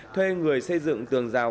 thuê người xây dựng tường rào